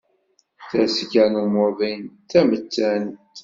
Tasga n umuḍin, a tamettant!